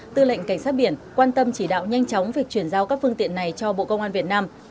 tư lệnh cảnh sát biển quan tâm chỉ đạo nhanh chóng việc chuyển giao các phương tiện này cho bộ công an việt nam